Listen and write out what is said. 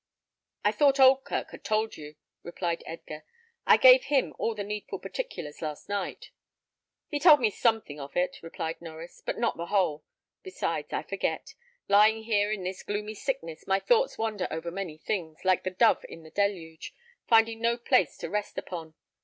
"I thought Oldkirk had told you," replied Edgar. "I gave him all the needful particulars last night." "He told me something of it," answered Norries, "but not the whole. Besides, I forget. Lying here in this gloomy sickness, my thoughts wander over many things, like the dove of the deluge, finding no place to rest upon.